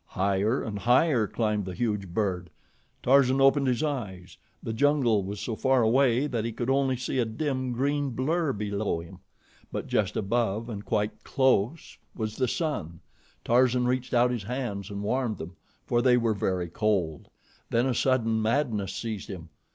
Higher and higher climbed the huge bird. Tarzan opened his eyes. The jungle was so far away that he could see only a dim, green blur below him, but just above and quite close was the sun. Tarzan reached out his hands and warmed them, for they were very cold. Then a sudden madness seized him.